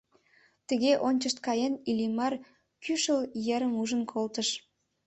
Тыге ончышт каен, Иллимар Кӱшыл ерым ужын колтыш.